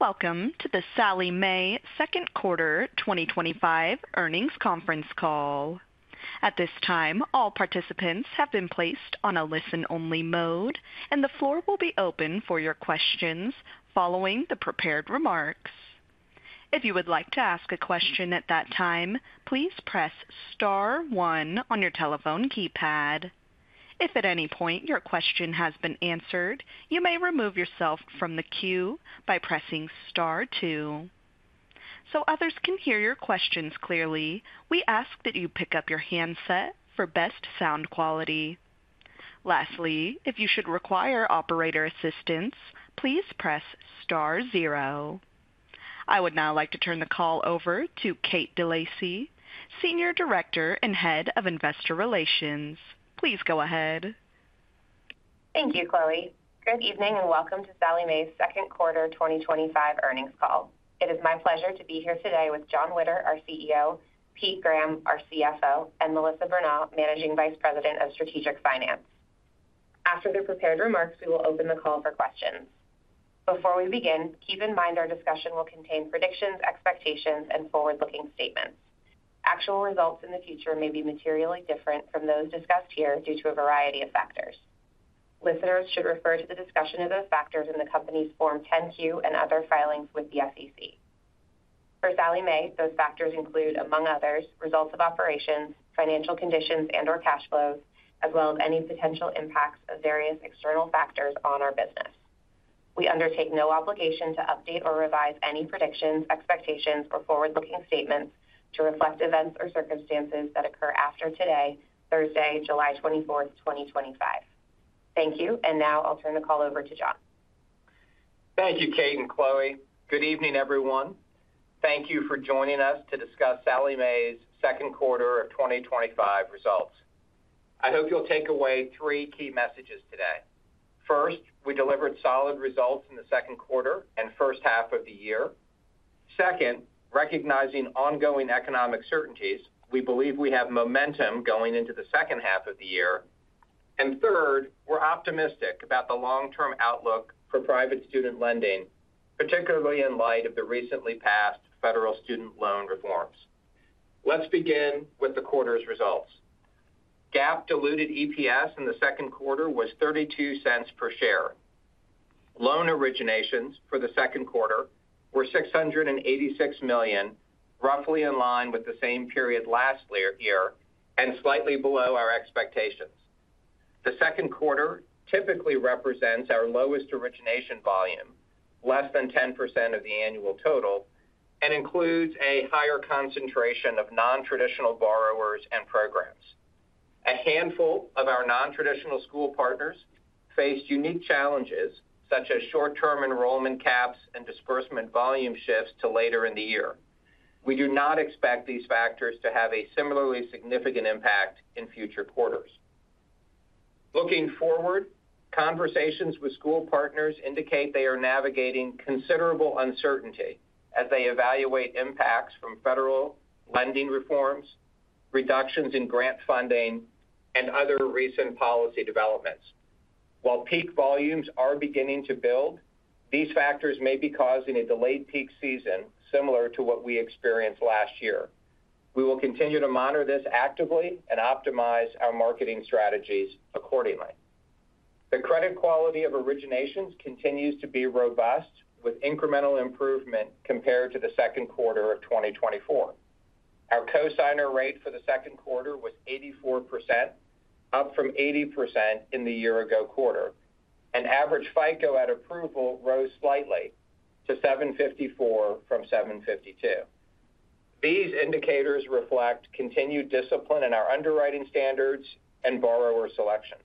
Welcome to the Sallie Mae Second Quarter twenty twenty five Earnings Conference Call. At this time, all participants have been placed on a listen only mode and the floor will be open for your questions following the prepared remarks. I would now like to turn the call over to Kate DeLacey, Senior Director and Head of Investor Relations. Please go ahead. Thank you, Chloe. Good evening, and welcome to Sallie Mae's second quarter twenty twenty five earnings call. It is my pleasure to be here today with John Witter, our CEO Pete Graham, our CFO and Melissa Bernal, Managing Vice President of Strategic Finance. After their prepared remarks, we will open the call for questions. Before we begin, keep in mind our discussion will contain predictions, expectations and forward looking statements. Actual results in the future may be materially different from those discussed here due to a variety of factors. Listeners should refer to the discussion of those factors in the company's Form 10 Q and other filings with the SEC. For Sallie Mae, those factors include, among others, results of operations, financial conditions and or cash flows as well as any potential impacts of various external factors on our business. We undertake no obligation to update or revise any predictions, expectations or forward looking statements to reflect events or circumstances that occur after today, Thursday, 07/24/2025. Thank you. And now I'll turn the call over to John. Thank you, Kate and Chloe. Good evening, everyone. Thank you for joining us to discuss Sallie Mae's 2025 results. I hope you'll take away three key messages today. First, we delivered solid results in the second quarter and first half of the year. Second, recognizing ongoing economic uncertainties, we believe we have momentum going into the second half of the year. And third, we're optimistic about the long term outlook for private student lending, particularly in light of the recently passed federal student loan reforms. Let's begin with the quarter's results. GAAP diluted EPS in the second quarter was zero three two dollars per share. Loan originations for the second quarter were $686,000,000 roughly in line with the same period last year and slightly below our expectations. The second quarter typically represents our lowest origination volume, less than 10% of the annual total and includes a higher concentration of non traditional borrowers and programs. A handful of our non traditional school partners faced unique challenges such as short term enrollment caps and disbursement volume shifts to later in the year. We do not expect these factors to have a similarly significant impact in future quarters. Looking forward, conversations with school partners indicate they are navigating considerable uncertainty as they evaluate impacts from federal lending reforms, reductions in grant funding and other recent policy developments. While peak volumes are beginning to build, these factors may be causing a delayed peak season similar to what we experienced last year. We will continue to monitor this actively and optimize our marketing strategies accordingly. The credit quality of originations continues to be robust with incremental improvement compared to the second quarter of twenty twenty four. Our cosigner rate for the second quarter was 84%, up from 80% in the year ago quarter. And average FICO at approval rose slightly to 7.54% from 7.52%. These indicators reflect continued discipline in our underwriting standards and borrower selection.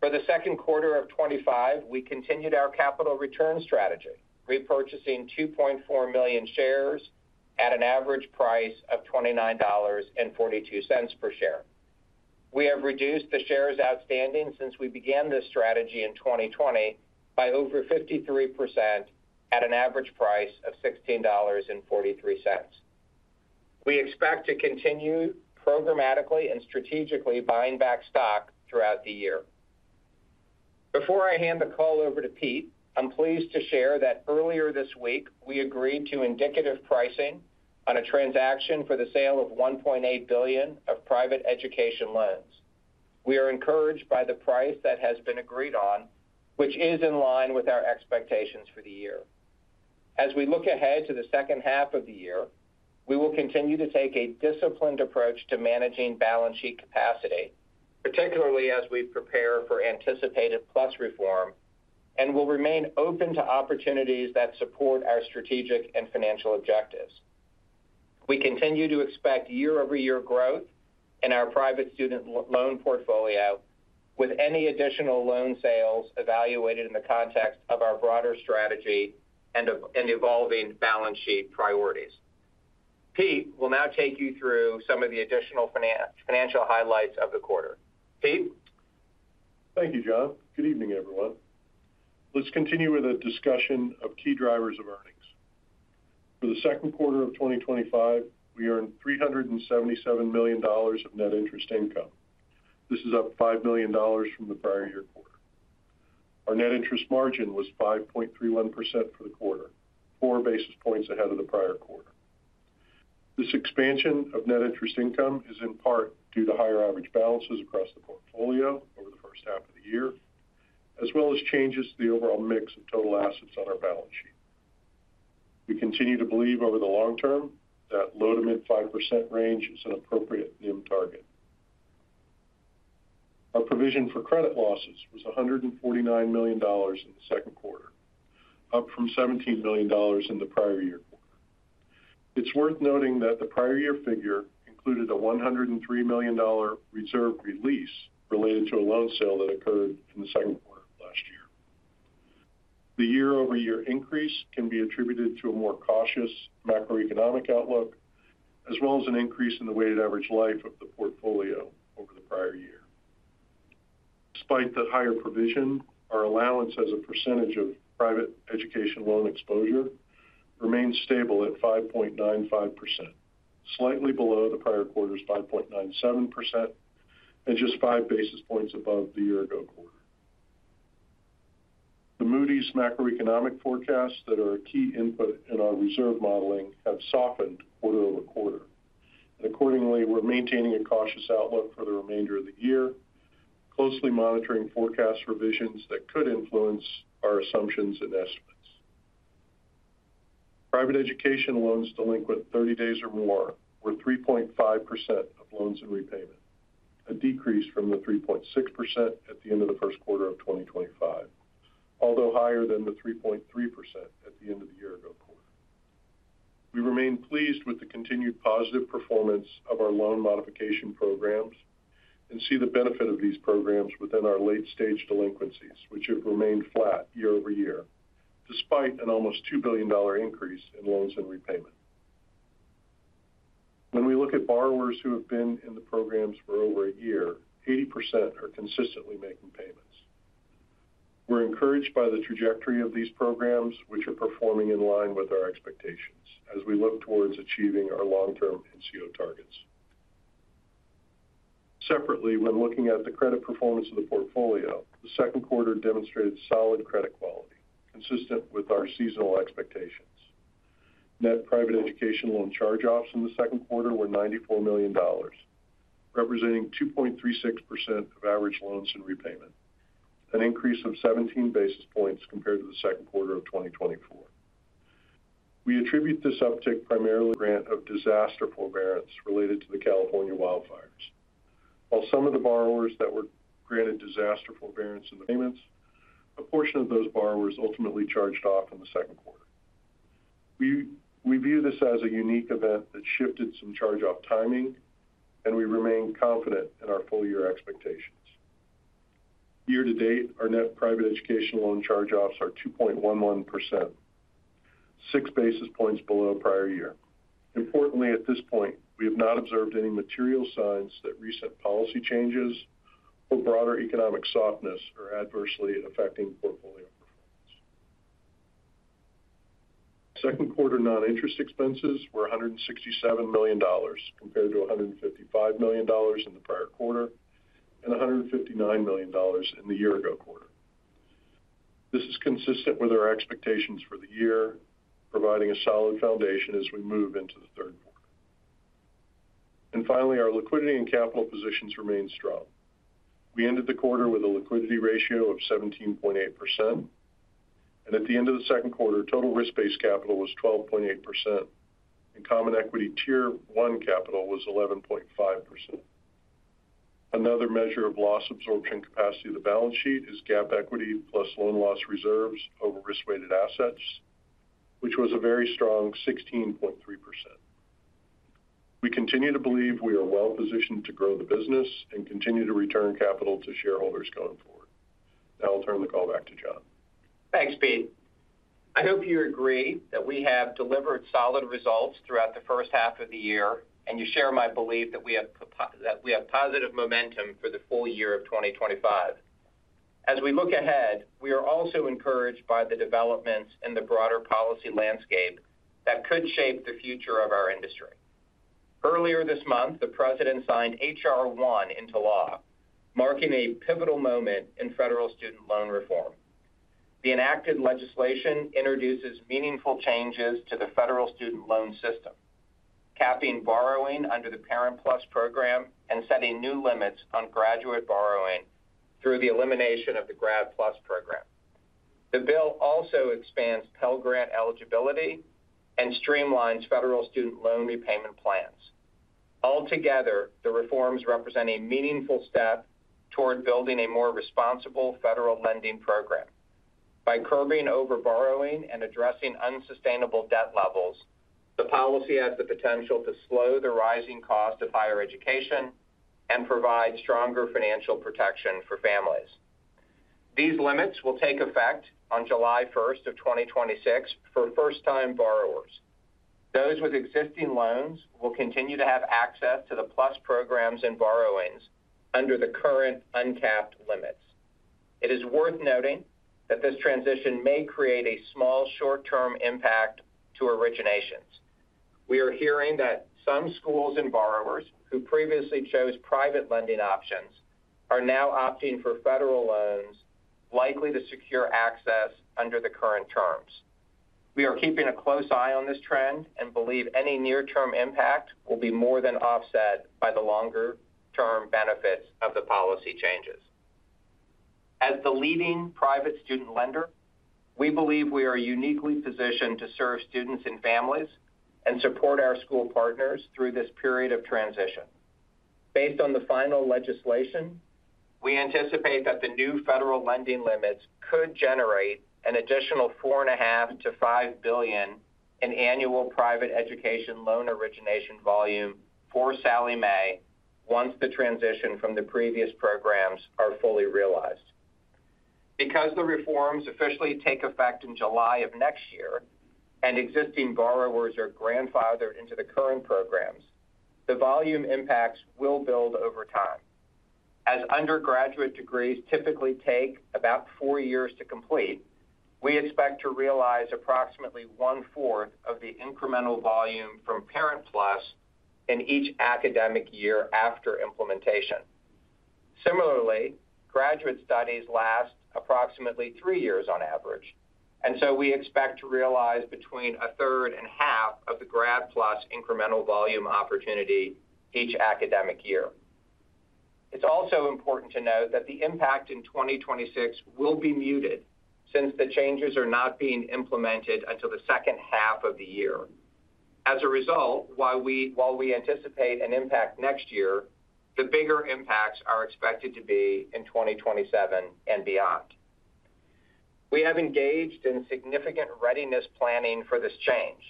For the second quarter of twenty twenty five, we continued our capital return strategy repurchasing 2,400,000.0 shares at an average price of $29.42 per share. We have reduced the shares outstanding since we began this strategy in 2020 by over 53% at an average price of $16.43 We expect to continue programmatically and strategically buying back stock throughout the year. Before I hand the call over to Pete, I'm pleased to share that earlier this week, we agreed to indicative pricing on a transaction for the sale of $1,800,000,000 of private education loans. We are encouraged by the price that has been agreed on, which is in line with our expectations for the year. As we look ahead to the second half of the year, we will continue to take a disciplined approach to managing balance sheet capacity, particularly as we prepare for anticipated plus reform and will remain open to opportunities that support our strategic and financial objectives. We continue to expect year over year growth in our private student loan portfolio with any additional loan sales evaluated in the context of our broader strategy and evolving balance sheet priorities. Pete will now take you through some of the additional financial highlights of the quarter. Pete? Thank you, John. Good evening, everyone. Let's continue with a discussion of key drivers of earnings. For the second quarter of twenty twenty five, we earned $377,000,000 of net interest income. This is up 5,000,000 from the prior year quarter. Our net interest margin was 5.31% for quarter, four basis points ahead of the prior quarter. This expansion of net interest income is in part due to higher average balances across the portfolio over the first half of the year, as well as changes to the overall mix of total assets on our balance sheet. We continue to believe over the long term that low to mid 5% range is an appropriate NIM target. Our provision for credit losses was $149,000,000 in the second quarter, up from $17,000,000 in the prior year quarter. It's worth noting that the prior year figure included a $103,000,000 reserve release related to a loan sale that occurred in the second quarter of last year. The year over year increase can be attributed to a more cautious macroeconomic outlook as well as an increase in the weighted average life of the portfolio over the prior year. Despite the higher provision, our allowance as a percentage of private education loan exposure remains stable at 5.95%, slightly below the prior quarter's 5.97% and just five basis points above the year ago quarter. The Moody's macroeconomic forecasts that are a key input in our reserve modeling have softened quarter over quarter. And accordingly, we're maintaining a cautious outlook for the remainder of the year, closely monitoring forecast revisions that could influence our assumptions and estimates. Private education loans delinquent thirty days or more were 3.5% of loans in repayment, a decrease from the 3.6% at the end of the first quarter of twenty twenty five, although higher than the 3.3% at the end of the year ago quarter. We remain pleased with the continued positive performance of our loan modification programs and see the benefit of these programs within our late stage delinquencies, which have remained flat year over year despite an almost $2,000,000,000 increase in loans and repayment. When we look at borrowers who have been in the programs for over a year, 80% are consistently making payments. We're encouraged by the trajectory of these programs, which are performing in line with our expectations as we look towards achieving our long term NCO targets. Separately, when looking at the credit performance of the portfolio, the second quarter demonstrated solid credit quality consistent with our seasonal expectations. Net private education loan charge offs in the second quarter were $94,000,000 representing 2.36% of average loans and repayment, an increase of 17 basis points compared to the second quarter of twenty twenty four. We attribute this uptick primarily to the grant of disaster forbearance related to the California wildfires. While some of the borrowers that were granted disaster forbearance payments, a portion of those borrowers ultimately charged off in the second quarter. We view this as a unique event that shifted some charge off timing and we remain confident in our full year expectations. Year to date, our net private education loan charge offs are 2.11%, six basis points below prior year. Importantly, at this point, we have not observed any material signs that recent policy changes or broader economic softness are adversely affecting portfolio performance. Second quarter non interest expenses were $67,000,000 compared to $155,000,000 in the prior quarter and $159,000,000 in the year ago quarter. This is consistent with our expectations for the year, providing a solid foundation as we move into the third quarter. And finally, our liquidity and capital positions remain strong. We ended the quarter with a liquidity ratio of 17.8%. And at the end of the second quarter, total risk based capital was 12.8% and common equity Tier one capital was 11.5%. Another measure of loss absorption capacity of the balance sheet is GAAP equity plus loan loss reserves over risk weighted assets, which was a very strong 16.3%. We continue to believe we are well positioned to grow the business and continue to return capital to shareholders going forward. Now I'll turn the call back to John. Thanks Pete. I hope you agree that we have delivered solid results throughout the first half of the year and you share my belief that we have positive momentum for the full year of 2025. As we look ahead, we are also encouraged by the developments in broader policy landscape that could shape the future of our industry. Earlier this month, the President signed H. R. One into law, marking a pivotal moment in federal student loan reform. The enacted legislation introduces meaningful changes to the federal student loan system, capping borrowing under the Parent PLUS program and setting new limits on graduate borrowing through program. The bill also expands Pell Grant eligibility and streamlines federal student loan repayment plans. Altogether, the reforms represent a meaningful step toward building a more responsible federal lending program. By curbing over borrowing and addressing unsustainable debt levels, the policy has the potential to slow the rising cost of higher education and provide stronger financial protection for families. These limits will take effect on 07/01/2026 for first time borrowers. Those with existing loans will continue to have access to the Plus programs and borrowings under the current uncapped limits. It is worth noting that this transition may create a small short term impact to originations. We are hearing that some schools and borrowers who previously chose private lending options are now opting for federal loans likely to secure access under the current terms. We are keeping a close eye on this trend and believe any near term impact will be more than offset by the longer term benefits of the policy changes. As the leading private student lender, we believe we are uniquely positioned to serve students and families and support our school partners through this period of transition. Based on the final legislation, we anticipate that the new federal lending limits could generate an additional 4,500,000,000.0 to $5,000,000,000 in annual private education loan origination volume for Sallie Mae once the transition from the previous programs are fully realized. Because the reforms officially take effect in July and existing borrowers are grandfathered into the current programs, the volume impacts will build over time. As undergraduate degrees typically take about four years to complete, we expect to realize approximately one fourth of the incremental volume from Parent PLUS in each academic year after implementation. Similarly, graduate studies last approximately three years on average. And so we expect to realize between a third and half of the Grad PLUS incremental volume opportunity each academic year. It's also important to note that the impact in 2026 will be muted since the changes are not being implemented until the second half of the year. As a result, while we anticipate an impact next year, the bigger impacts are expected to be in 2027 and beyond. We have engaged in significant readiness planning for this change.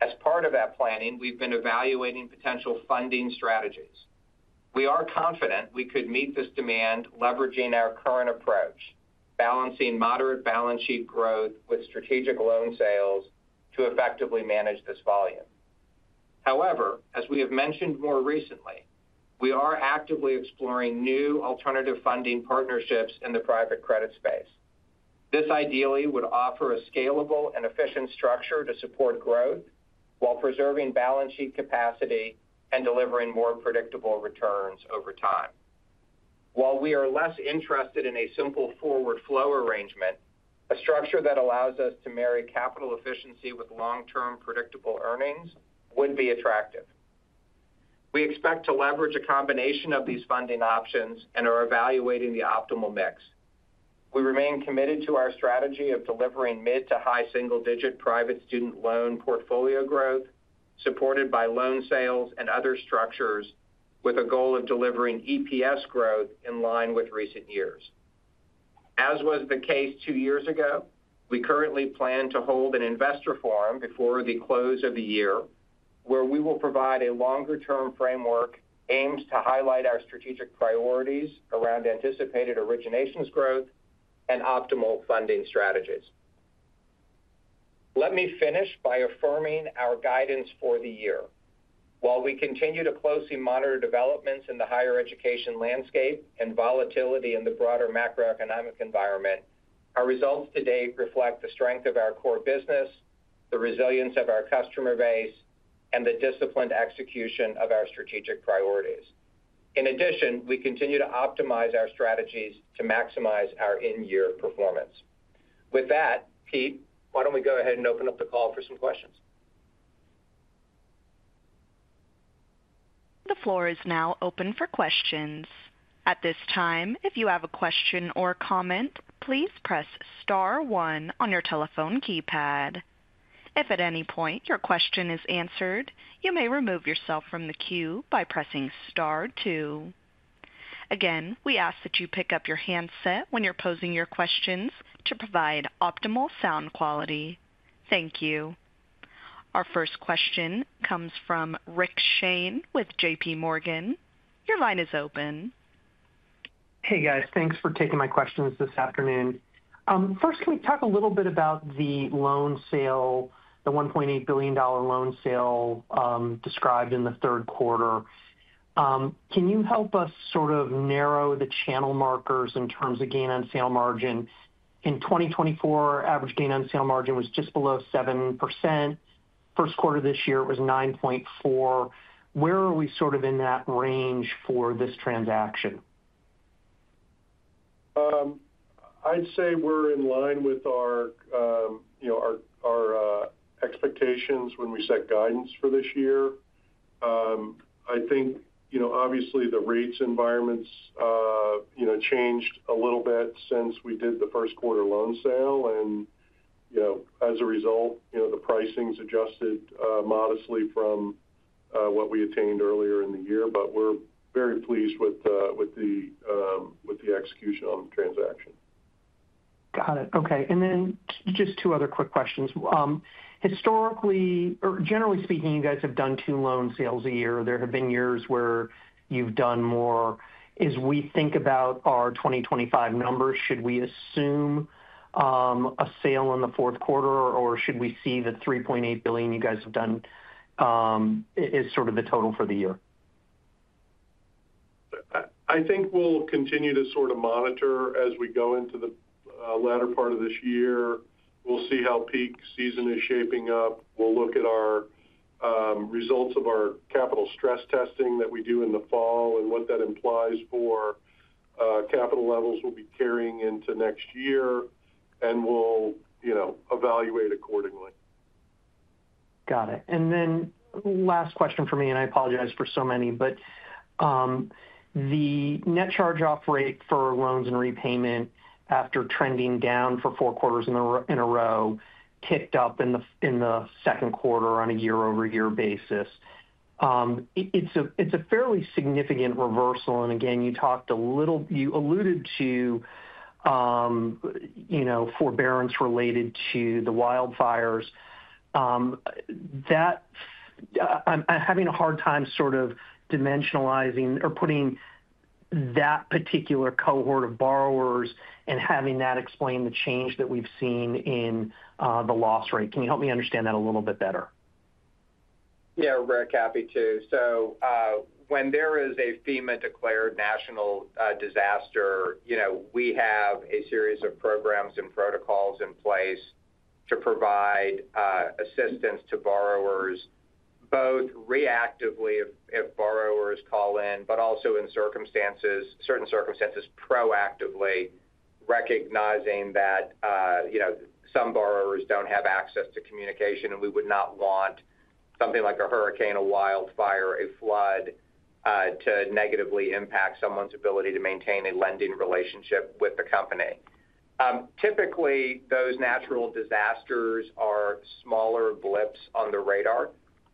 As part of that planning, we've been evaluating potential funding strategies. We are confident we could meet this demand leveraging our current approach, balancing moderate balance sheet growth with strategic loan sales to effectively manage this volume. However, as we have mentioned more recently, we are actively exploring new alternative funding partnerships in the private credit space. This ideally would offer a scalable and efficient structure to support growth, while preserving balance sheet capacity and delivering more predictable returns over time. While we are less interested in a simple forward flow arrangement, a structure that allows us to marry capital efficiency with long term predictable earnings would be attractive. We expect to leverage a combination of these funding options and are evaluating the optimal mix. We remain committed to our strategy of delivering mid to high single digit private student loan portfolio growth supported by loan sales and other structures with a goal of delivering EPS growth in line with recent years. As was the case two years ago, we currently plan to hold an investor forum before the close of the year where we will provide a longer term framework aims to highlight our strategic priorities around anticipated originations growth and optimal funding strategies. Let me finish by affirming our guidance for the year. While we continue to closely monitor developments in the higher education landscape and volatility in the broader macroeconomic environment, our results to date reflect the strength of our core business, the resilience of our customer base and the disciplined execution of our strategic priorities. In addition, we continue to optimize our strategies to maximize our in year performance. With that, Pete, why don't we go ahead and open up the call for some questions? The floor is now open for questions. Our first question comes from Rick Shane with JPMorgan. Your line is open. Hey, guys. Thanks for taking my questions this afternoon. First, can we talk a little bit about the loan sale, the $1,800,000,000 loan sale described in the third quarter? Can you help us sort of narrow the channel markers in terms of gain on sale margin? In 2024, average gain on sale margin was just below 7%. First quarter this year, was 9.4%. Where are we sort of in that range for this transaction? I'd say we're in line with our expectations when we set guidance for this year. I think obviously the rates environments changed a little bit since we did the first quarter loan sale. And as a result, the pricings adjusted modestly from what we attained earlier in the year, but we're very pleased with the execution on the transaction. Got it. Okay. And then just two other quick questions. Historically or generally speaking, you guys have done two loan sales a year. There have been years where you've done more. As we think about our 2025 numbers, should we assume a sale in the fourth quarter? Or should we see the $3,800,000,000 you guys have done is sort of the total for the year? I think we'll continue to sort of monitor as we go into the latter part of this year. We'll see how peak season is shaping up. We'll look at our results of our capital stress testing that we do in the fall and what that implies for capital levels we'll be carrying into next year and we'll evaluate accordingly. Got it. And then last question for me and I apologize for so many, but the net charge off rate for loans and repayment after trending down for four quarters in a row ticked up in the second quarter on a year over year basis. It's a fairly significant reversal. And again, you talked a little you alluded to forbearance related to the wildfires. That I'm having a hard time sort of dimensionalizing or putting that particular cohort of borrowers and having that explain the change that we've seen in the loss rate. Can you help me understand that a little bit better? Yes, Rick, happy to. So when there is a FEMA declared national disaster, we have a series of programs and protocols in place to provide assistance to borrowers both reactively if borrowers call in, but also in circumstances certain circumstances proactively recognizing that some borrowers don't have access to communication and we would not want something like a hurricane, a wildfire, a flood to negatively impact someone's ability to maintain a lending relationship with disasters are smaller blips on the radar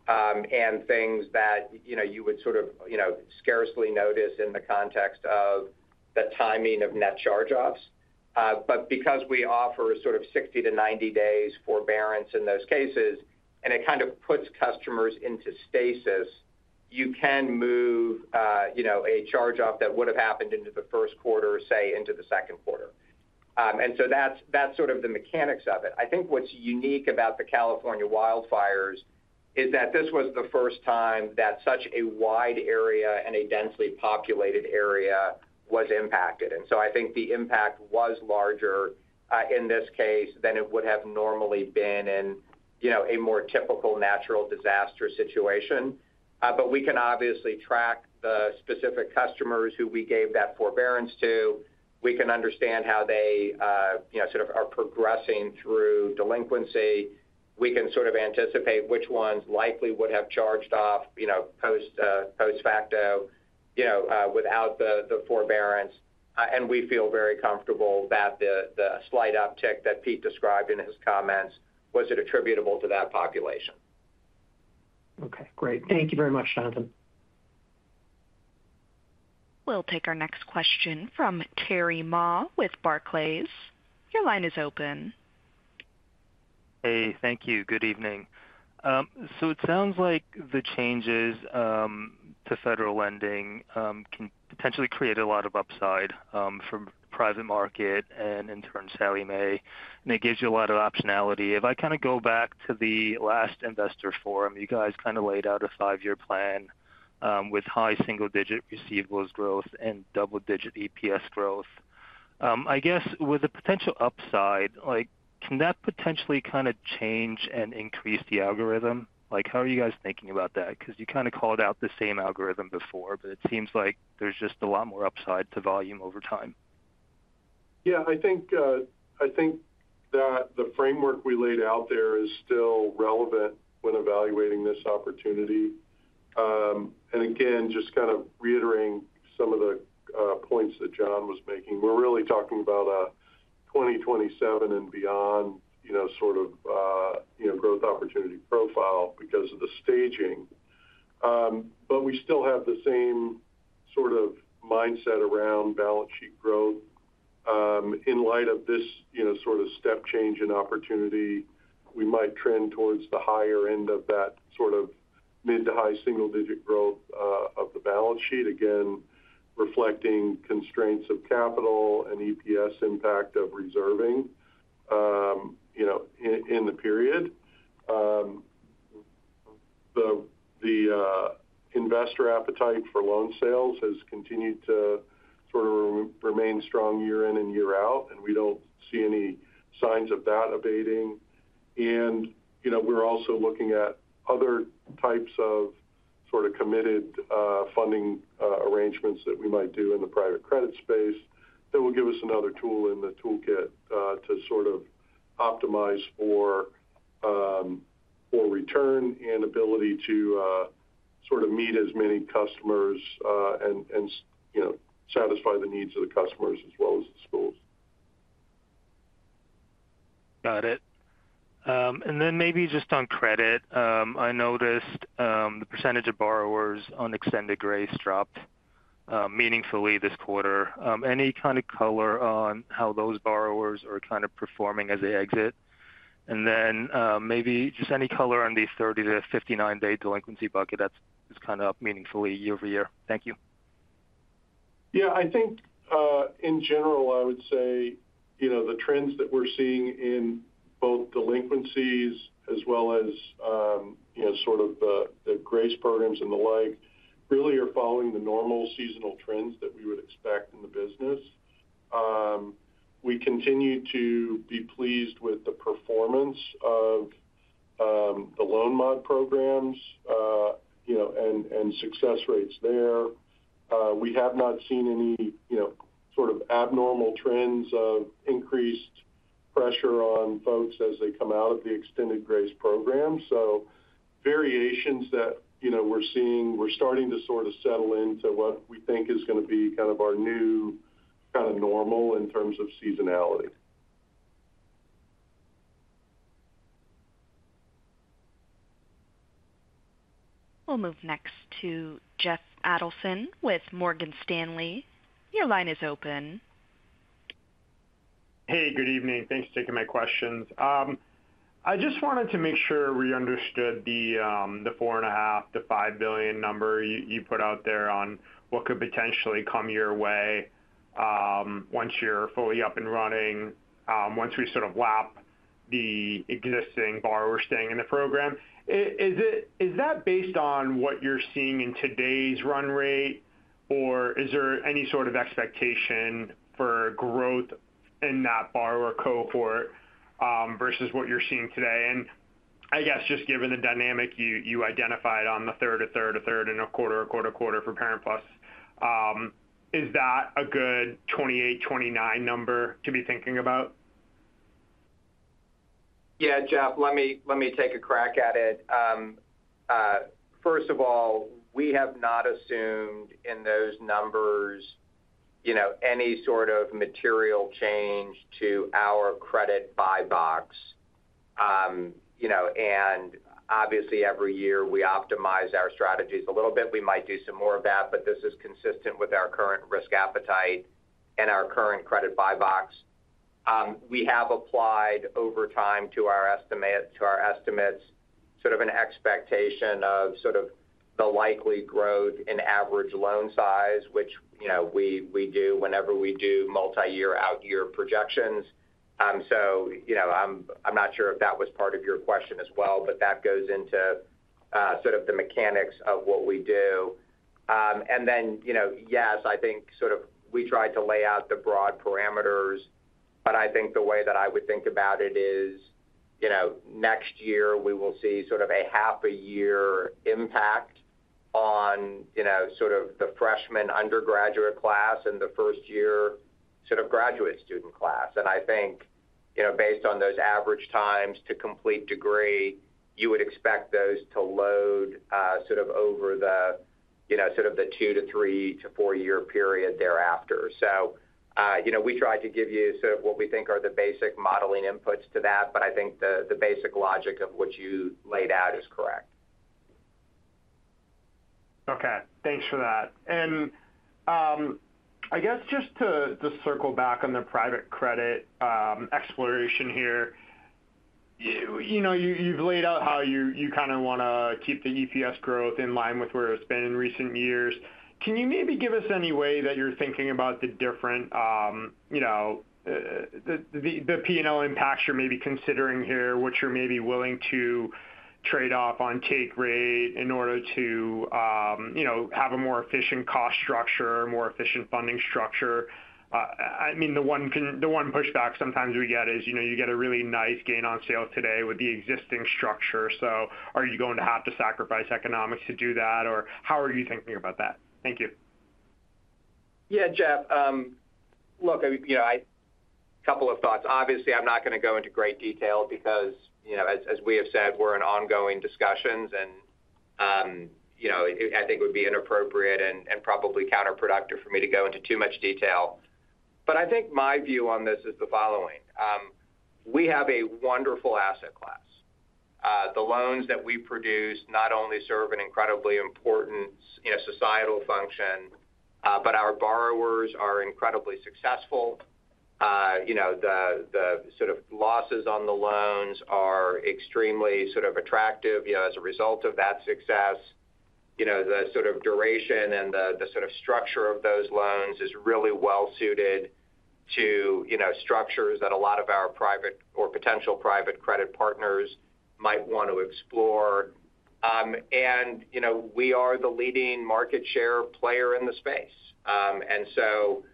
and things that you would sort of scarcely notice in the context of the timing of net charge offs. But because we offer sort of sixty to ninety days forbearance in those cases and it kind of puts customers into stasis, you can move a charge off that would have happened into the first quarter say into the second quarter. And so that's sort of the mechanics of it. I think what's unique about the California wildfires is that this was the first time that such a wide area and a densely populated area was impacted. And so I think the impact was larger in this case than it would have normally been in a more typical natural disaster situation. But we can obviously track the specific customers who we gave that forbearance to. We can understand how they sort of are progressing through delinquency. We can sort of anticipate which ones likely would have charged off post facto without the forbearance. And we feel very comfortable that the slight uptick that Pete described in his comments was attributable to that population. Okay, great. Thank you very much, Jonathan. We'll take our next question from Terry Ma with Barclays. Your line is open. Hey, thank you. Good evening. So it sounds like the changes to federal lending can potentially create a lot of upside from private market and in turn, Sallie Mae and it gives you a lot of optionality. If I kind of go back to the last investor forum, you guys kind of laid out a five year plan with high single digit receivables growth and double digit EPS growth. I guess with the potential upside like can that potentially kind of change and increase the algorithm? Like how are you guys thinking about that? Because you kind of called out the same algorithm before, but it seems like there's just a lot more upside to volume over time. Yes. I think that the framework we laid out there is still relevant when evaluating this opportunity. And again, just kind of reiterating some of the points that John was making, we're really talking about a 2027 and beyond sort of growth opportunity profile because of the staging. But we still have the same sort of mindset around balance sheet growth. In light of this sort of step change in opportunity, we might trend towards the higher end of that sort of mid to high single digit growth of the balance sheet, again reflecting constraints of capital and EPS impact of reserving in the period. The investor appetite for loan sales has continued to sort of remain strong year in and year out, and we don't see any signs of that abating. And we're also looking at other types of sort of committed funding arrangements that we might do in the private credit space that will give us another tool in the toolkit to sort of optimize for return and ability to sort of meet as many customers and satisfy the needs of the customers as well as the schools. Got it. And then maybe just on credit, I noticed the percentage of borrowers on extended grace dropped meaningfully this quarter. Any kind of color on how those borrowers are kind of performing as they exit? And then maybe just any color on these thirty to fifty nine day bucket that's kind of up meaningfully year over year? Thank you. Yes. I think in general, I would say the trends that we're seeing in both delinquencies as well as sort of the grace programs and the like really are following the normal seasonal trends that we would expect in the business. We continue to be pleased with the performance of the loan mod programs and success rates there. We have not seen any sort of abnormal trends of increased pressure on folks as they come out of the extended graze program. So variations that we're seeing, we're starting to sort of settle into what we think is going to be kind of our new kind of normal in terms of seasonality. We'll move next to Jeff Adelson with Morgan Stanley. Your line is open. Hey, good evening. Thanks for taking my questions. I just wanted to make sure we understood the $4,500,000,000 to $5,000,000,000 number you put out there on what could potentially come your way once you're fully up and running, once we sort of lap the existing borrowers staying in the program. Is that based on what you're seeing in today's run rate? Or is there any sort of expectation for growth in that borrower cohort versus what you're seeing today? And I guess just given the dynamic you identified on the third, a third, a third and a quarter, a quarter, a quarter for Parent Plus, Is that a good 28, 29 number to be thinking about? Yes, Jeff, let me take a crack at it. First of all, we have not assumed in those numbers any sort of material change to our credit buy box. And obviously every year we optimize our strategies a little bit. We might do some more of that, but this is consistent with our current risk appetite and our current credit buy box. We have applied over time to our estimates sort of an expectation of sort of the likely growth in average loan size which we do whenever we do multi year out year projections. So I'm not sure if that was part of your question as well, but that goes into sort of the mechanics of what we do. And then, yes, I think sort of we try to lay out the broad parameters. But I think the way that I would think about it is next year we will see sort of a half a year impact on sort of the freshman undergraduate class and the first year sort of graduate student class. And I think based on those average times to complete degree you would expect those to load sort of over the of the two to three to four year period thereafter. So we tried to give you sort of what we think are the basic modeling inputs to that. But I think the basic logic of what you laid out is correct. Okay. Thanks for that. And I guess just to circle back on the private credit exploration here. You've laid out how you kind of want to keep the EPS growth in line with where it's been in recent years. Can you maybe give us any way that you're thinking about the different P and L impacts you're maybe considering here, which you're maybe willing to trade off on take rate in order to have a more efficient cost structure, more efficient funding structure. I mean, the one pushback sometimes we get is you get a really nice gain on sale today with the existing structure. So are you going to have to sacrifice economics to do that or how are you thinking about that? Thank you. Yes, Jeff. Look, couple of thoughts. Obviously, I'm not going to go into great detail because as we have said, we're in ongoing discussions and I think it would be inappropriate and probably counterproductive for me to go into too much detail. But I think my view on this is the following. We have a wonderful asset class. The loans that we produce not only serve an incredibly important societal function, but our borrowers are incredibly successful. The sort of losses on the loans are extremely sort of attractive as a result of that success. The sort of duration and the sort of structure of those loans is really well suited to structures that a lot of our private or potential private credit partners might want to explore. And we are the leading market share player in the space. And so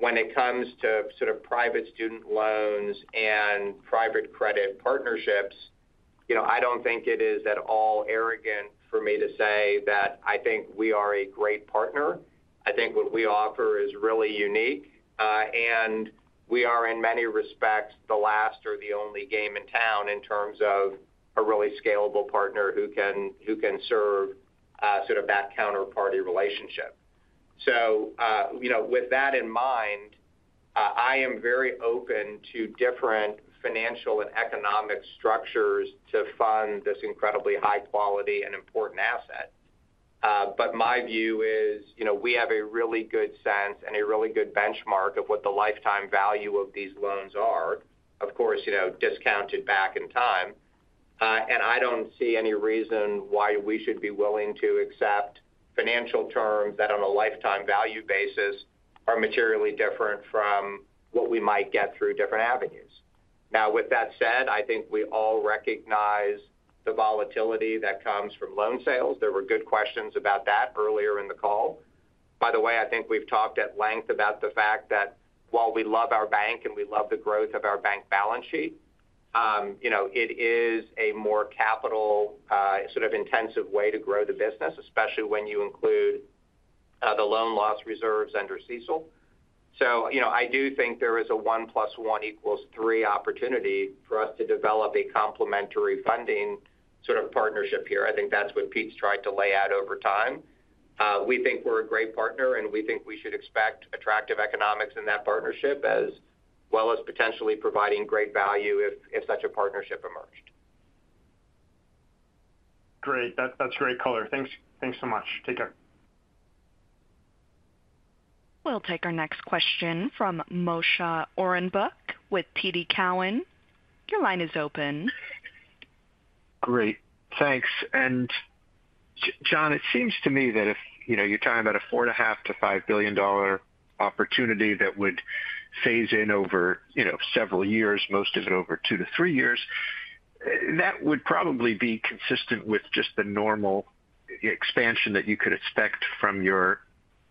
when it comes to sort of private student loans and private credit partnerships, I don't think it is at all arrogant for me to say that I think we are a great partner. I think what we offer is really unique. And we are in many respects the last or the only game in town in terms of a really scalable partner who can serve sort of that counterparty relationship. So with that in mind, I am very open to different financial and economic structures to fund this incredibly high quality and important asset. But my view is we have a really good sense and a really good benchmark of what the lifetime value of these loans are of course discounted back in time. And I don't see any reason why we should be willing to accept financial terms that on a lifetime value basis are materially different from what we might get through different avenues. Now with that said, I think we all recognize the volatility that comes from loan sales. There were good questions about that earlier in the call. By the way, I think we've talked at length about the fact that while we love our bank and we love the growth of our bank balance sheet, it is a more capital sort of intensive way to grow the business, especially when you include the loan loss reserves under CECL. So I do think there is a one plus one equals three opportunity for us to develop a complementary funding sort of partnership here. I think that's what Pete's tried to lay out over time. We think we're a great partner and we think we should expect attractive economics in that partnership as well as potentially providing great value if such a partnership emerged. Great. That's great color. Thanks so much. Take care. We'll take our next question from Moshe Orenbuch with TD Cowen. Your line is open. Great. Thanks. And John, it seems to me that if you're talking about a 4,500,000,000.0 to $5,000,000,000 opportunity that would phase in over several years, most of it over two to three years, that would probably be consistent with just the normal expansion that you could expect from your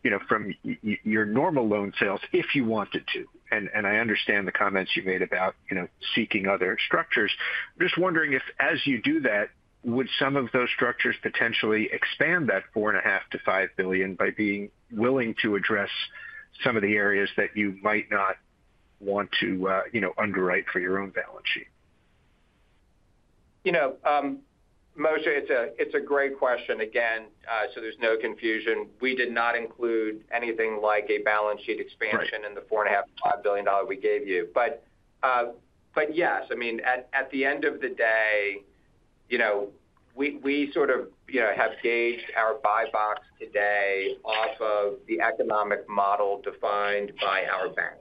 normal loan sales if you wanted to. And I understand the comments you made about seeking other structures. Just wondering if as you do that, would some of those structures potentially expand that 4,500,000,000.0 to $5,000,000,000 by being willing to address some of the areas that you might not want to underwrite for your own balance sheet? Moshe, it's a great question again, So there's no confusion. We did not include anything like a balance sheet expansion in the 4,500,000,000.0 to $5,000,000,000 we gave you. But yes, I mean at the end of the day, we sort of have gauged our buy box today off of the economic model defined by our bank.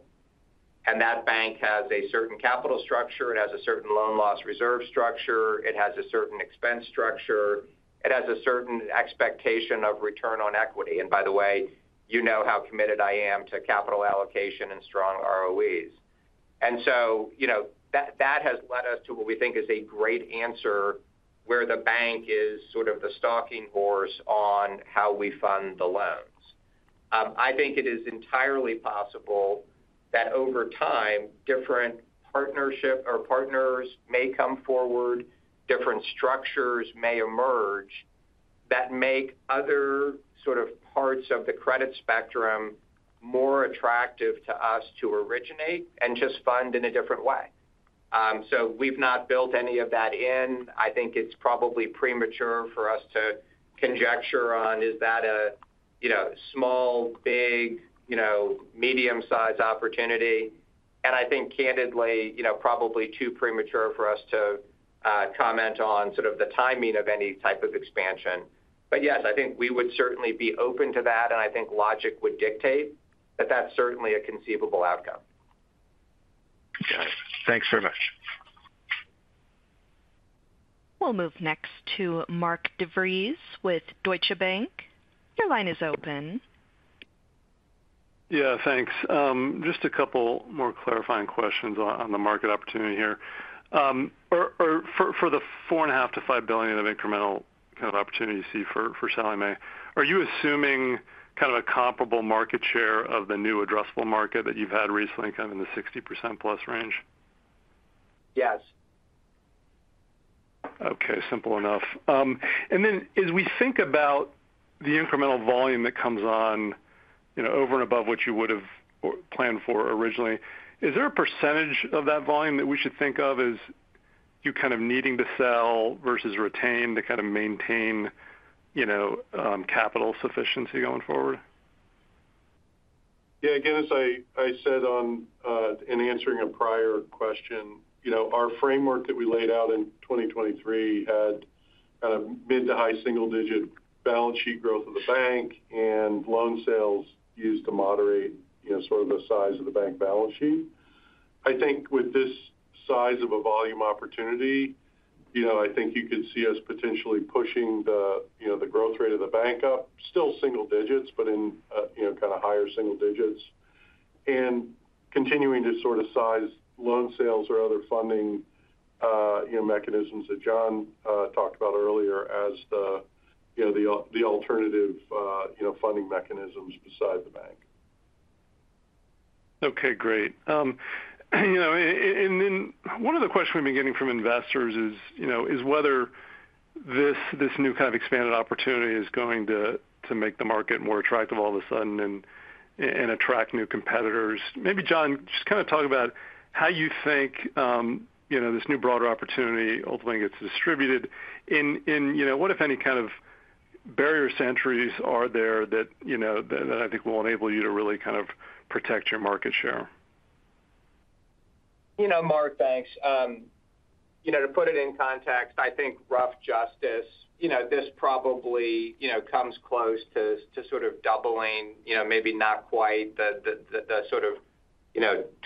And that bank has a certain capital structure. It has a certain loan loss reserve structure. It has a certain expense structure. It has a certain expectation of return on equity. And by the way, you know how committed I am to capital allocation and strong ROEs. And so that has led us to what we think is a great answer where the bank is sort of the stalking horse on how we fund the loans. I think it is entirely possible that over time different partnership or partners may come forward, different structures may emerge that make other sort of parts of the credit spectrum more attractive to us to originate and just fund in a different way. So we've not built any of that in. I think it's probably premature for us to conjecture on is that a small, big, medium sized opportunity. And I think candidly probably premature for us to comment on sort of the timing of any type of expansion. But yes, think we would certainly be open to that and I think logic would dictate that that's certainly a conceivable outcome. Got it. Thanks very much. We'll move next to Mark DeVries with Deutsche Bank. Your line is open. Yes. Thanks. Just a couple more clarifying questions on the market opportunity here. For the 4,500,000,000.0 to $5,000,000,000 of incremental kind of opportunity you see for Sallie Mae, are you assuming kind of a comparable market share of the new addressable market that you've had recently kind of in the 60% plus range? Yes. Okay. Simple enough. And then as we think about the incremental volume that comes on over and above what you would have planned for originally, is there a percentage of that volume that we should think of as you kind of needing to sell versus retain to kind of maintain capital sufficiency going forward? Yes. Again, as I said on in answering a prior question, our framework that we laid out in 2023 had kind of mid to high single digit balance sheet growth of the bank and loan sales used to moderate sort of the size of the bank balance sheet. I think with this size of a volume opportunity, I think you could see us potentially pushing the growth rate of the bank up still single digits, but in kind of higher single digits and continuing to sort of size loan sales or other funding mechanisms that John talked about earlier as the alternative funding mechanisms beside the bank. Okay, great. And then one of the questions we've been getting from investors is whether this new kind of expanded opportunity is going to make the market more attractive all of a sudden and attract new competitors. Maybe John just kind of talk about how you think this new broader opportunity ultimately gets distributed? And what if any kind of barrier centuries are there that I think will enable you to really kind of protect your market share? Mark, thanks. To put it in context, I think rough justice, this probably comes close to sort of doubling maybe not quite the sort of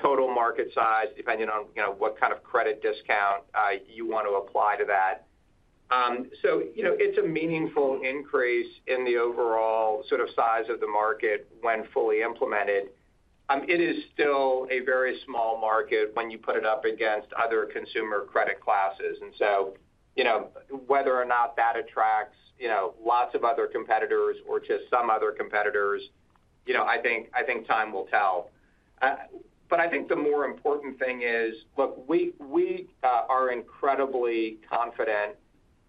total market size depending on what kind of credit discount you want to apply to that. So it's a meaningful increase in the overall sort of size of the market when fully implemented. It is still a very small market when you put it up against other consumer credit classes. And so whether or not that attracts lots of other competitors or just some other competitors, I think time will tell. But I think the more important thing is, look, we are incredibly confident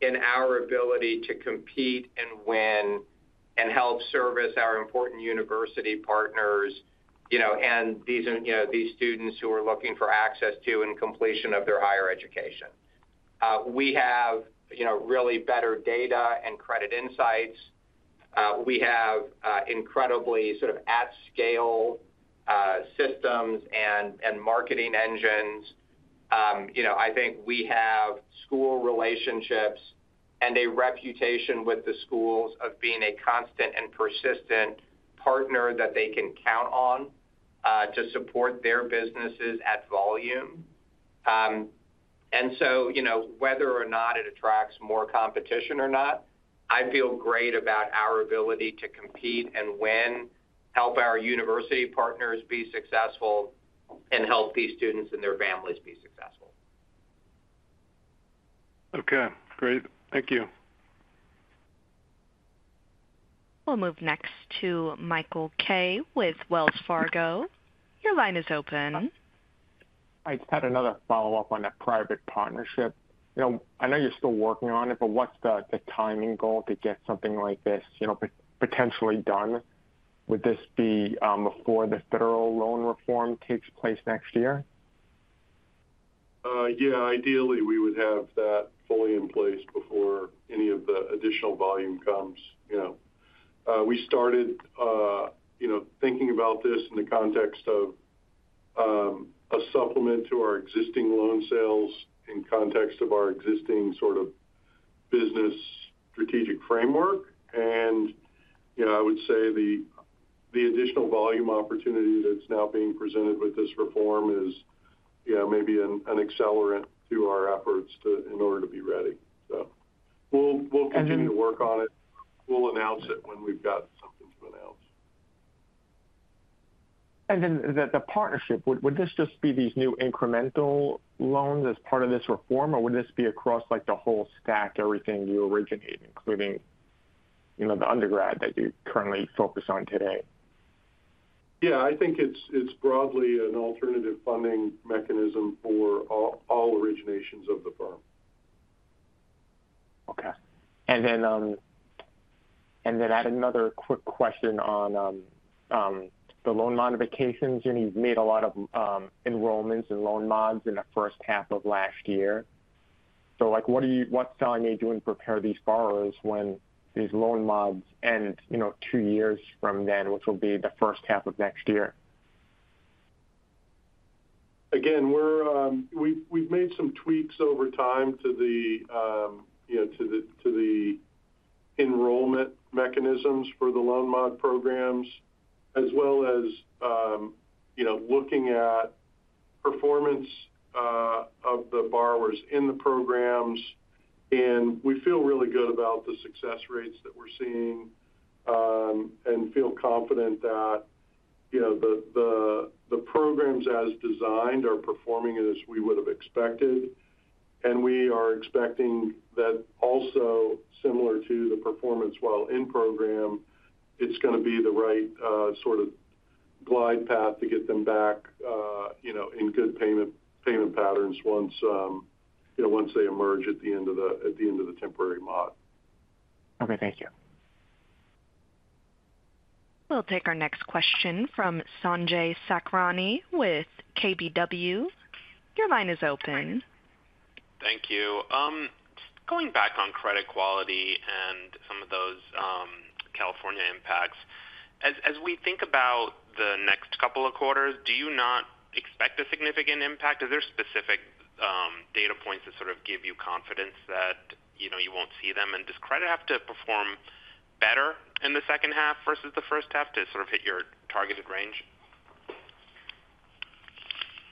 in our ability to compete and win and help service our important university partners and these students who are looking for access to and completion of their higher education. We have really better data and credit insights. We have incredibly sort of at scale systems and marketing engines. I think we have school relationships and a reputation with the schools of being a constant and persistent partner that they can count on to support their businesses at volume. And so whether or not it attracts more competition or not, I feel great about our ability to compete and win help our university partners be successful and help these students and their families be successful. Okay, great. Thank you. We'll move next to Michael Kaye with Wells Fargo. Your line is open. I just had another follow-up on a private partnership. I know you're still working on it, but what's the timing goal to get something like this potentially done? Would this be before the federal loan reform takes place next year? Yes. Ideally, we would have that fully in place before any of the additional volume comes. We started thinking about this in the context of a supplement to our existing loan sales in context of our existing sort of business strategic framework. And I would say the additional volume opportunity that's now being presented with this reform is maybe an accelerant to our efforts to in order to be ready. We'll continue to work on it. We'll announce it when we've got something to announce. And then the partnership, would this just be these new incremental loans as part of this reform? Or would this be across like the whole stack, everything you originate, including the undergrad that you currently focus on today? Yes. I think it's broadly an alternative funding mechanism for all originations of the firm. Okay. And then I had another quick question on the loan modifications. You've made a lot of enrollments in loan mods in the first half of last year. So like what are you what's selling you're doing to prepare these borrowers when these loan mods end two years from then, which will be the first half of next year? Again, we're we've made some tweaks over time to the enrollment mechanisms for the loan mod programs as well as looking at performance of the borrowers in the programs. And we feel really good about the success rates that we're seeing, and feel confident that the programs as designed are performing as we would have expected. And we are expecting that also similar to the performance while in program, it's going to be the right sort of glide path to get them back in good payment patterns once they emerge at the end of the temporary mod. Okay. Thank you. We'll take our next question from Sanjay Sakhrani with KBW. Your line is open. Thank you. Going back on credit quality and some of those California impacts, as we think about the next couple of quarters, do you not expect a significant impact? Are there specific data points that sort of give you confidence that you won't see them? And does credit have to perform better in the second half versus the first half to sort of hit your targeted range?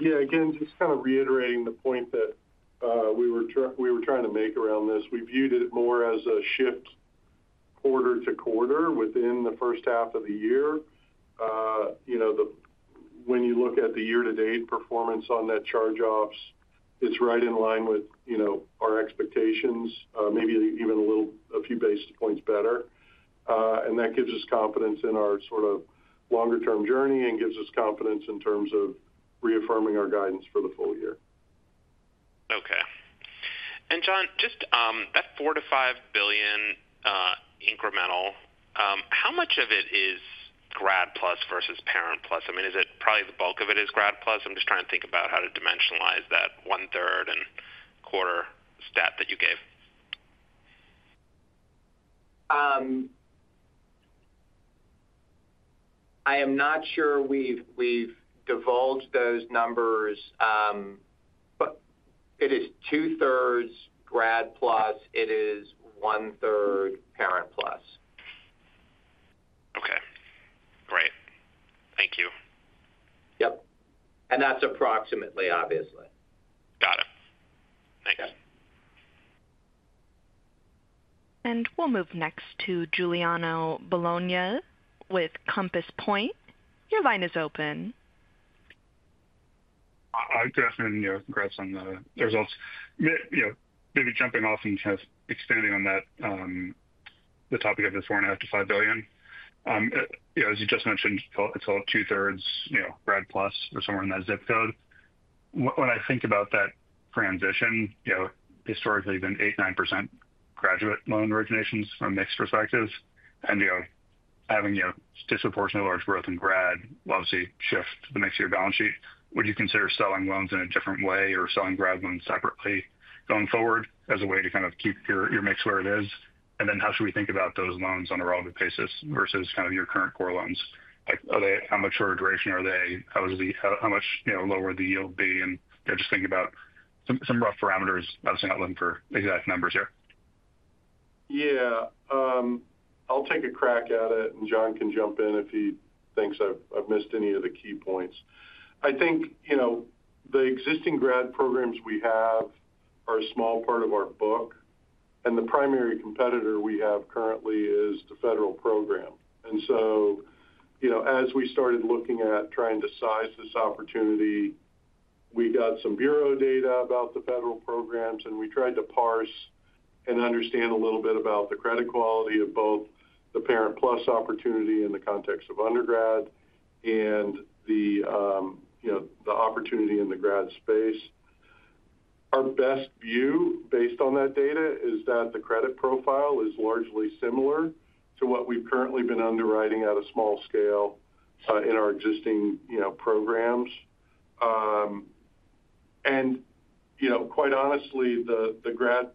Yes. Again, just kind of reiterating the point that we were trying to make around this. We viewed it more as a shift quarter to quarter within the first half of the year. When you look at the year to date performance on net charge offs, it's right in line with our expectations, maybe even a little a few basis points better. And that gives us confidence in our sort of longer term journey and gives us confidence in terms of reaffirming our guidance for the full year. Okay. And John, just, that 4,000,000,000 to $5,000,000,000 incremental, how much of it is Grad PLUS versus Parent Plus? I mean is it probably the bulk of it is Grad Plus? I'm just trying to think about how to dimensionalize that one third and quarter stat that you gave. I am not sure we've divulged those numbers, but it is two thirds grad plus, it is one third parent plus. Okay, great. Thank you. Yes. And that's approximately obviously. Got it. Thanks. And we'll move next to Giuliano Bologna with Compass Point. Your line is open. Hi, good afternoon. Congrats on the results. Maybe jumping off and kind of expanding on that the topic of this four point five dollars five billion dollars As you just mentioned, it's all two thirds grad plus or somewhere in that zip code. When I think about that transition, historically, it's been 89% graduate loan originations from a mix perspective and having a disproportionate large growth in grad, obviously shift to the next year balance sheet. Would you consider selling loans in a different way or selling grad loans separately going forward as a way to kind of keep your mix where it is? And then how should we think about those loans on a relative basis versus kind of your current core loans? Like are they how much shorter duration are they? How is the how much lower the yield be? And just thinking about some rough parameters, obviously not looking for exact numbers here. Yes. I'll take a crack at it and John can jump in if he thinks I've missed any of the key points. I think the existing grad programs we have are a small part of our book and the primary competitor we have currently is the federal program. And so as we started looking at trying to size this opportunity, we got some bureau data about the federal programs and we tried to parse and understand a little bit about the credit quality of both the Parent PLUS opportunity in the context of undergrad and the opportunity in the grad space. Our best view based on that data is that the credit profile is largely similar to what we've currently been underwriting at a small scale in our existing programs. And quite honestly, the grad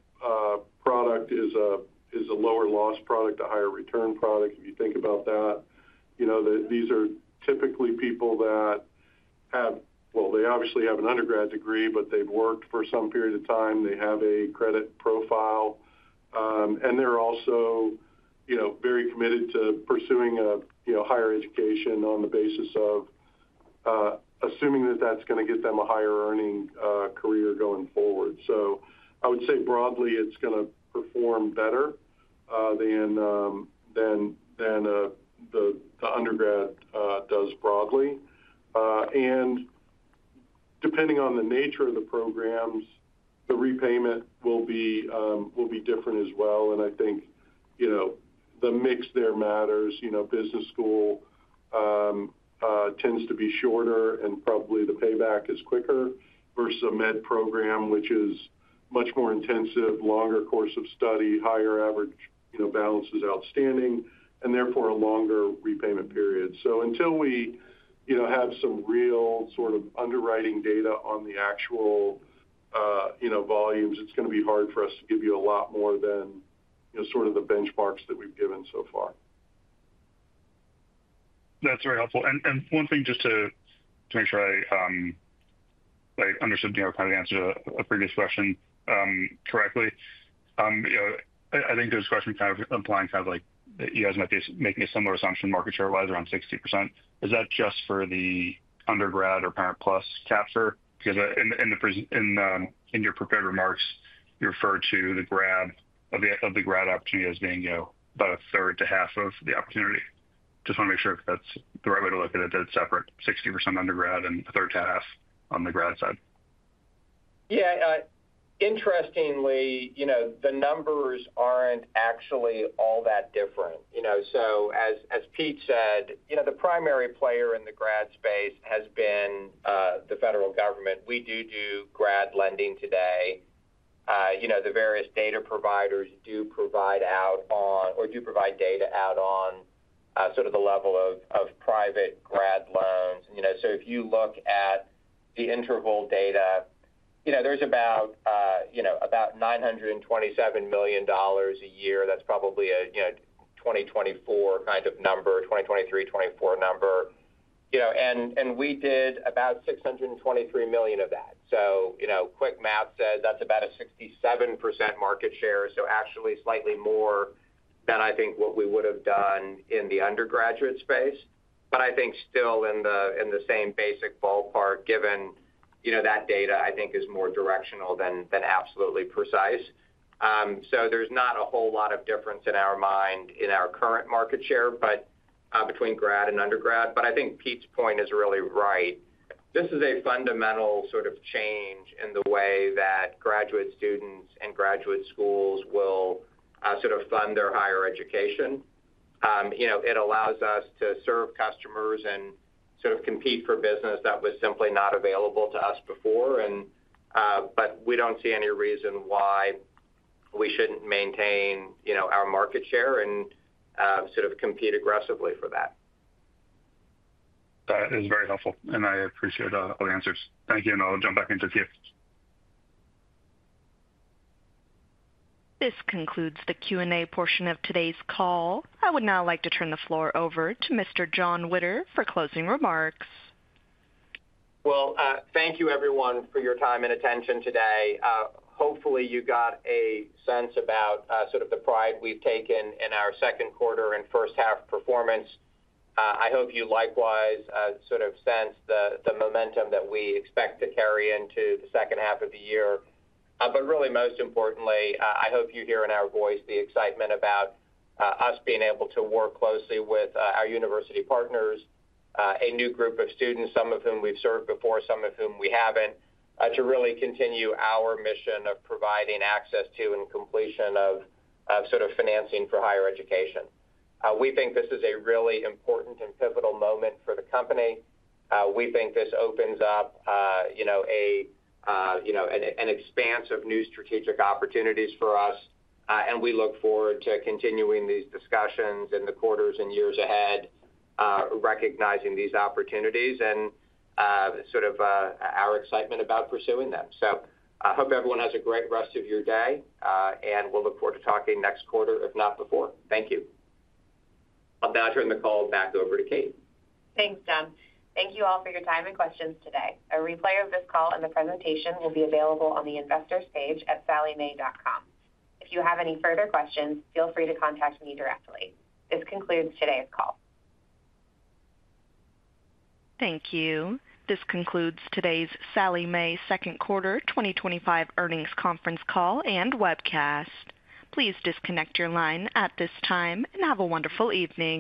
product is a lower loss product, a higher return product, if you think about that. These are typically people that have well, they obviously have an undergrad degree, but they've worked for some period of time. They have a credit profile. And they're also very committed to pursuing a higher education on the basis of assuming that that's going to get them a higher earning career going forward. So I would say broadly, it's going to perform better than the undergrad does broadly. And depending on the nature of the programs, the repayment will be different as well. And I think the mix there matters. Business school tends to be shorter and probably the payback is quicker versus a med program, which is much more intensive, longer course of study, higher average balances outstanding and therefore a longer repayment period. So until we have some real sort of underwriting data on the actual volumes, it's going to be hard for us to give you a lot more than sort of the benchmarks that we've given so far. That's very helpful. And one thing just to make sure I understood kind of the answer to a previous question, correctly. I think this question kind of implying kind of like you guys might be making a similar assumption market share wise around 60%. Is that just for the undergrad or parent plus capture? Because in your prepared remarks, you referred to the grad opportunity as being about a third to half of the opportunity. Just want to make sure if that's the right way to look at it, that's separate 60% undergrad and third to half on the grad side. Yeah. Interestingly, the numbers aren't actually all that different. So as Pete said, the primary player in the grad space has been the federal government. We do, do grad lending today. The various data providers do provide out on or do provide data out on sort of the level of private grad loans. So if you look at the interval data, there's about $927,000,000 a year. That's probably a 2024 kind of number, 2023, 2024 number. And we did about $623,000,000 of that. So quick math says that's about a 67% market share. So actually slightly more than I think what we would have done in the undergraduate space. But I think still in the same basic ballpark given that data I think is more directional than absolutely precise. So there's not a whole lot of difference in our mind in our current market share, but between grad and undergrad. But I think Pete's point is really right. This is a fundamental sort of change in the way that graduate students and graduate schools will sort of fund their higher education. It allows us to serve customers and sort of compete for business that was simply not available to us before. And but we don't see any reason why we shouldn't maintain our market share and sort of compete aggressively for that. That is very helpful and I appreciate all the answers. Thank you and I'll jump back in just few. This concludes the Q and A portion of today's call. I would now like to turn the floor over to Mr. John Witter for closing remarks. Well, thank you everyone for your time and attention today. Hopefully, you got a sense about sort of the pride we've taken in our second quarter and first half performance. I hope you likewise sort of sense the momentum that we expect to carry into the second half of the year. But really most importantly, I hope you hear in our voice the excitement about us being able to work closely with our university partners, a new group of students, some of whom we've served before, some of whom we haven't, to really continue our mission of providing access to and completion of sort of financing for higher education. We think this is a really important and pivotal moment for the company. We think this opens up an expanse of new strategic opportunities for us And we look forward to continuing these discussions in the quarters and years ahead recognizing these opportunities and sort of our excitement about pursuing them. So I hope everyone has a great rest of your day and we'll look forward to talking next quarter if not before. Thank you. I'll now turn the call back over to Kate. Thanks, John. Thank you all for your time and questions today. A replay of this call and the presentation will be available on the Investors page at salliemai.com. If you have any further questions, feel free to contact me directly. This concludes today's call. Thank you. This concludes today's Sallie Mae second quarter twenty twenty five earnings conference call and webcast. Please disconnect your line at this time and have a wonderful evening.